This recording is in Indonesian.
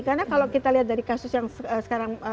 karena kalau kita lihat dari kasus yang sekarang